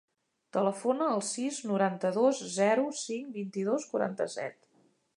Telefona al sis, noranta-dos, zero, cinc, vint-i-dos, quaranta-set.